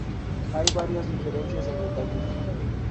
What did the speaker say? Hay varias diferencias en detalles.